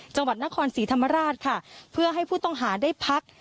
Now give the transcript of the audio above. จังหวัดนครศรีธรรมราชค่ะเพื่อให้ผู้ต้องหาได้พัก